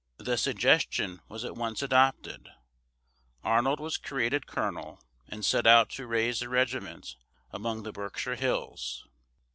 The suggestion was at once adopted. Arnold was created colonel and set out to raise a regiment among the Berkshire Hills.